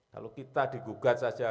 lalu kita digugat saja